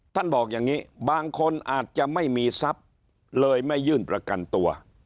บอกอย่างนี้บางคนอาจจะไม่มีทรัพย์เลยไม่ยื่นประกันตัว